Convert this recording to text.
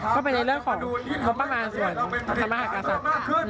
ก็เป็นเรื่องของงบประมาณส่วนธรรมหากาศัพท์